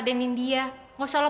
sisi dia jatuh